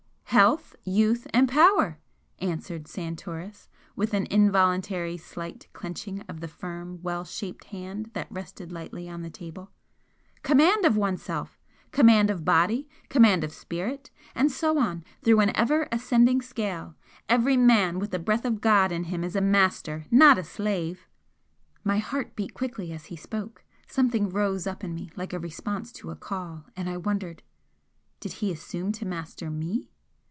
"Health, youth and power!" answered Santoris, with an involuntary slight clenching of the firm, well shaped hand that rested lightly on the table, "Command of oneself! command of body, command of spirit, and so on through an ever ascending scale! Every man with the breath of God in him is a master, not a slave!" My heart beat quickly as he spoke; something rose up in me like a response to a call, and I wondered Did he assume to master ME?